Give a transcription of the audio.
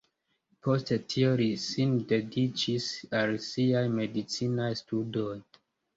Poste tio li sin dediĉis al siaj medicinaj studoj.